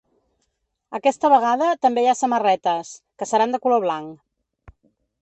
Aquesta vegada també hi ha samarretes, que seran de color blanc.